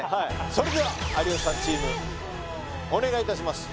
それでは有吉さんチームお願いいたします